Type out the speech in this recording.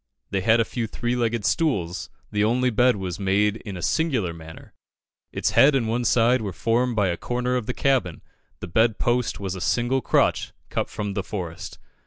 They had a few three legged stools; the only bed was made in a singular manner. Its head and one side were formed by a corner of the cabin, the bed post was a single crotch cut from the forest.